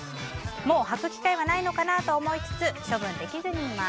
もう履く機会はないのかなと思いつつ処分できずにいます。